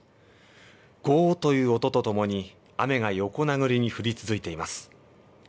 ゴーっという音とともに雨が横殴りに降り続いています。